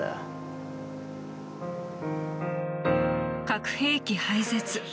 核兵器廃絶。